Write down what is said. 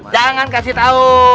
jangan kasih tau